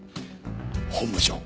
本部長。